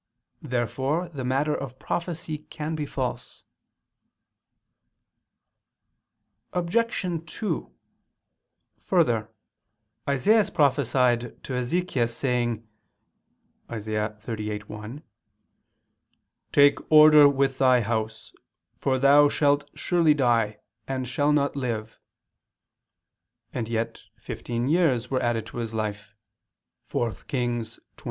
Therefore the matter of prophecy can be false. Obj. 2: Further, Isaias prophesied to Ezechias saying (Isa. 38:1): "Take order with thy house, for thou shalt surely die, and shalt not live," and yet fifteen years were added to his life (4 Kings 20:6).